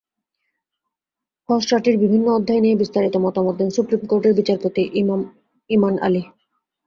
খসড়াটির বিভিন্ন অধ্যায় নিয়ে বিস্তারিত মতামত দেন সুপ্রিম কোর্টের বিচারপতি ইমান আলী।